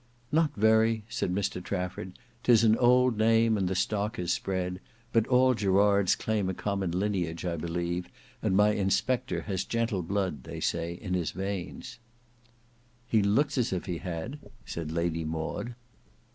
"Not very," said Mr Trafford; "'tis an old name and the stock has spread; but all Gerards claim a common lineage I believe, and my inspector has gentle blood, they say, in his veins." "He looks as if he had," said Lady Maud.